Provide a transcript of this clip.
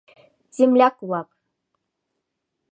ЗЕМЛЯК-ВЛАК